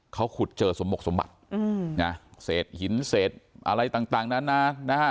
เขาขุดเจอสมบัติสมบัติอืมนะฮะเสร็จหินเสร็จอะไรต่างต่างนั้นนะฮะ